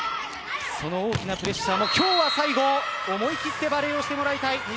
その大きなプレッシャーを今日は最後、思い切ってバレーをしてもらいしたい。